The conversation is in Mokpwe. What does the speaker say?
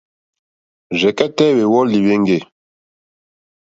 Rzɛ̀kɛ́tɛ́ hwèwɔ́lì hwéŋɡê.